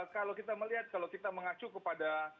kalau kita melihat kalau kita mengacu kepada